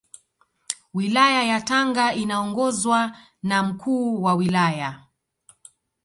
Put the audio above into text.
Wilaya ya Tanga inaongozwa na Mkuu wa Wilaya